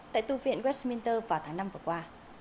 tại tư viện westminster vào tháng năm vừa qua